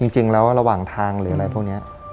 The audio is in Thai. จริงแล้วระหว่างทางหรืออะไรพวกนี้